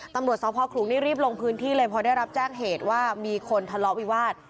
ตำรวจสพขลุงนี่รีบลงพื้นที่เลยพอได้รับแจ้งเหตุว่ามีคนทะเลาะวิวาส